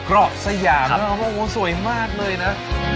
เกาะสยามโอ้โฮสวยมากเลยนะ